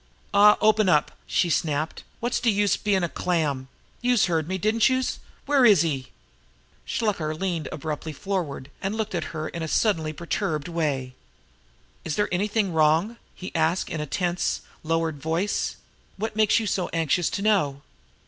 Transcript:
"Aw, open up!" she snapped. "Wot's de use bein' a clam! Youse heard me, didn't youse? Where is he?" Shluker leaned abruptly forward, and looked at her in a suddenly perturbed way. "Is there anything wrong?" he asked in a tense, lowered voice. "What makes you so anxious to know?"